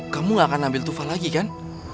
kamu nggak akan ambil tufa lagi kan